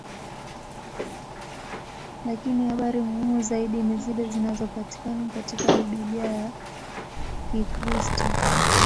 Lakini habari muhimu zaidi ni zile zinazopatikana katika Biblia ya Kikristo.